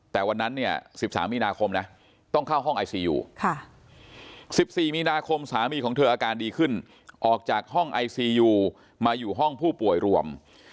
แต่วันนั้นเนี่ย๑๓มีนาคมนะต้องเข้าห้องไอซียู๑๔มีนาคมสามีของเธออาการดีขึ้นออกจากห้องไอซียูมาอยู่ห้องผู้ป่วยรวม